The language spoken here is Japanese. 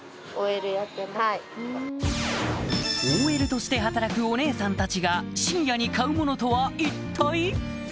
ＯＬとして働くお姉さんたちが深夜に買うものとは一体？